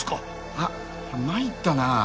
あっ参ったなあ。